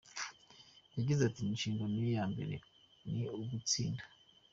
Yagize ati “Inshingano ye ya mbere ni ugutsinda.